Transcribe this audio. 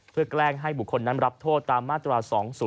แกล้งให้บุคคลนั้นรับโทษตามมาตรา๒๐